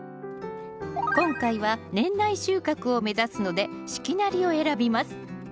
今回は年内収穫を目指すので四季なりを選びます